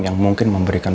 yang mungkin memberikan